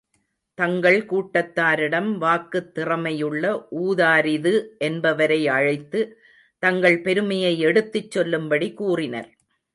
தங்கள் கூட்டத்தாரிடம் வாக்குத் திறமையுள்ள உதாரிது என்பவரை அழைத்து, தங்கள் பெருமையை எடுத்துச் சொல்லும்படி கூறினர்.